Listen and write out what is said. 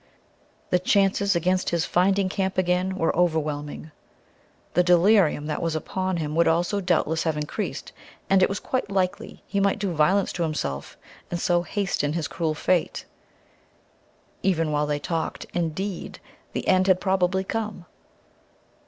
The chances against his finding camp again were overwhelming; the delirium that was upon him would also doubtless have increased, and it was quite likely he might do violence to himself and so hasten his cruel fate. Even while they talked, indeed, the end had probably come.